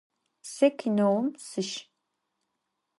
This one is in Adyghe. Se kineum sış.